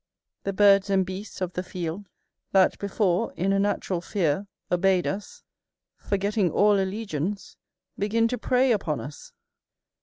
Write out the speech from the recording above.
The birds and beasts of the field, that before, in a natural fear, obeyed us, forgetting all allegiance, begin to prey upon us.